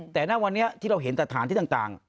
แต่ณวันนี้ที่เราเห็นสถานที่ต่าง